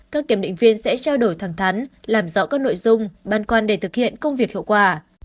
các kiểm định viên sẽ trao đổi thẳng thắn làm rõ các nội dung băn quan để thực hiện công việc hiệu quả